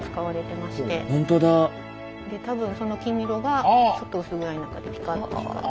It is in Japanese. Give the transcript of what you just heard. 多分その金色がちょっと薄暗い中で光ってるかな。